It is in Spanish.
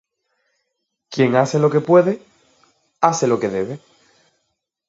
Quien hace lo que puede, hace lo que debe